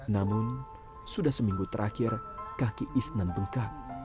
namun sudah seminggu terakhir kaki isnan bengkak